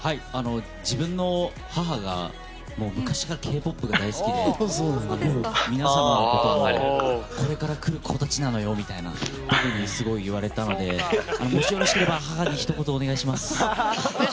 自分の母が昔からＫ‐ＰＯＰが大好きでこれからくる子たちなのよみたいなことを特にすごい言われたのでもしよろしければ母にひと言お願いします。